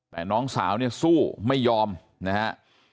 แต่น้องสาวเนี่ยสู้ไม่ยอมนะฮะ